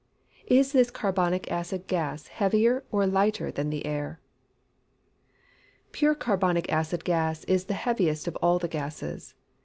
Is this carbonic acid gas heavier or lighter than the air? Pure carbonic acid gas is the heaviest of all the gases.